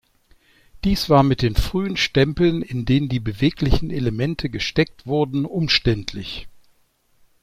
Dies war mit den frühen Stempeln, in denen die beweglichen Elemente gesteckt wurden, umständlich.